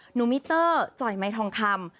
มิเตอร์จ่อยไม้ทองคำ